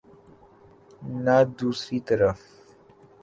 نہ دوسری طرف۔